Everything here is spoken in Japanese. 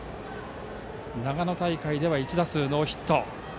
長野大会では１打数ノーヒット。